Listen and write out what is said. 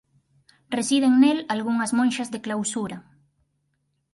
Residen nel algunhas monxas de clausura.